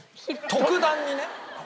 特段にね？